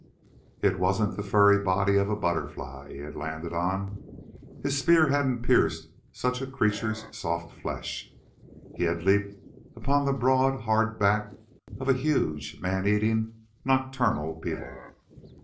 It wasn't the furry body of a butterfly he had landed on; his spear hadn't pierced such a creature's soft flesh. He had leaped upon the broad, hard back of a huge, meat eating, nocturnal beetle.